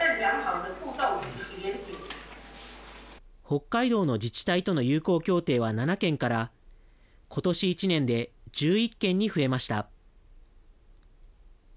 北海道の自治体との友好協定は７件から今年１年で１１件に増えました。